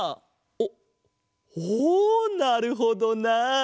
おっおおなるほどなあ！